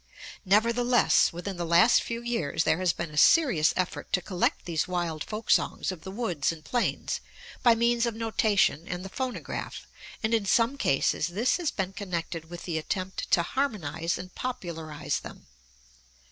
Nevertheless, within the last few years there has been a serious effort to collect these wild folksongs of the woods and plains by means of notation and the phonograph, and in some cases this has been connected with the attempt to harmonize and popularize them.